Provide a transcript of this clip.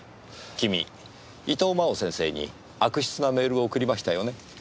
君伊藤真央先生に悪質なメールを送りましたよね？